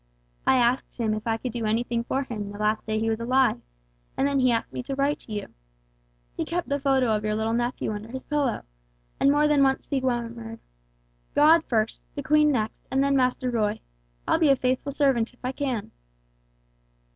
I asked him if I could do anything for him the last day he was alive and then he asked me to write to you. He kept the photo of your little nephew under his pillow, and more than once he murmured 'God first, the Queen next, and then Master Roy I'll be a faithful servant if I can!'